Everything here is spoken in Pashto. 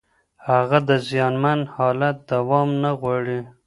هغه د زیانمن حالت دوام نه غواړي.